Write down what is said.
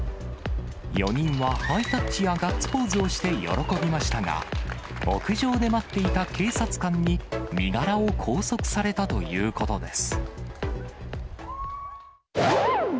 ４人はハイタッチやガッツポーズをして喜びましたが、屋上で待っていた警察官に身柄を拘束されたということです。